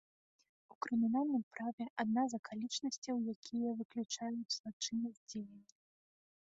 У крымінальным праве адна з акалічнасцяў, якія выключаюць злачыннасць дзеяння.